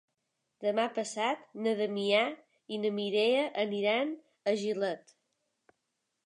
Demà passat na Damià i na Mireia aniran a Gilet.